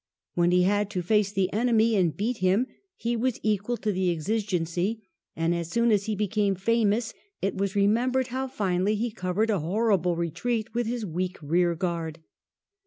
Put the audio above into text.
When he had to face the enemy and beat him, he was equal to the exigency ; and as soon as he became famous it was remembered how finely he covered a horrible retreat with his weak rear guard.